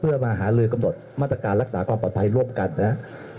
เพื่อมาหาลือกำหนดมาตรการรักษาความปลอดภัยร่วมกันนะครับ